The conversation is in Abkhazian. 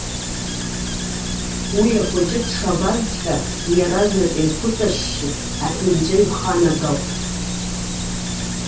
Уи, ахәыҷы дшабазҵәҟьа иаразнак инхәыҵашьшьын, аҳәынҵәа ҩханагалт.